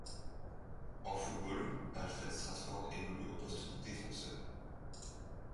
En football, Alfred Stratford évolue au poste de défenseur.